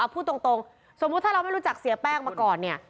พูดตรงสมมุติถ้าเราไม่รู้จักเสียแป้งมาก่อนเนี่ย